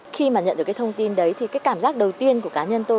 khi mà nhận được cái thông tin đấy thì cái cảm giác đầu tiên của cá nhân tôi